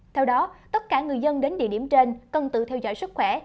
theo đó tất cả người dân đến địa điểm trên cần tự theo dõi sức khỏe